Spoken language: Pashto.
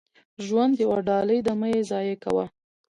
• ژوند یوه ډالۍ ده، مه یې ضایع کوه.